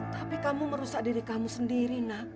tapi kamu merusak diri kamu sendiri nak